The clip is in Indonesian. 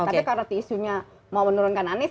tapi kalau isunya mau menurunkan anies